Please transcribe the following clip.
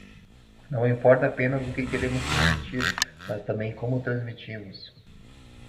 Não importa apenas o que queremos transmitir, mas também como o transmitimos.